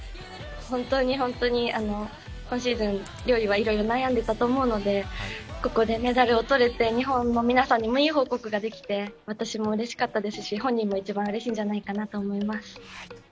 本当に本当に、今シーズン、陵侑は悩んでたと思うのでここでメダルを取れて、日本の皆様にもいい報告ができて、私もうれしかったですし、本人も一番うれしいんじゃないかなと思います。